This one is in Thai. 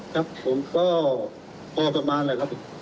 ครับผมก็พอประมาณแหละครับ